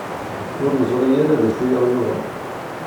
Ur neẓri ara d acu i aɣ-yuɣen.